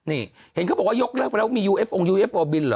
นี่เห็นเขาบอกว่ายกเลิกไปแล้วมียูเอฟองยูเอฟโอบินเหรอ